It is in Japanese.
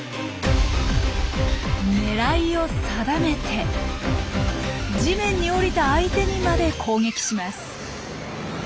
狙いを定めて地面に降りた相手にまで攻撃します。